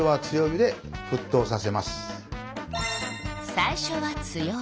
最初は強火。